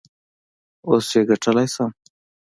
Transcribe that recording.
اوس یې کتلی شم؟